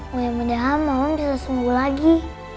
mulai mudian malam bisa sembuh lagi